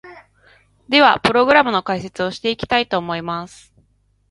では、プログラムの解説をしていきたいと思います！